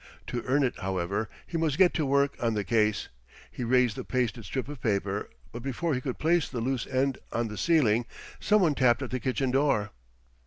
To earn it, however, he must get to work on the case. He raised the pasted strip of paper, but before he could place the loose end on the ceiling, some one tapped at the kitchen door.